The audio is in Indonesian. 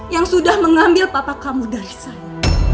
yang sudah mengambil papa kamu dari sana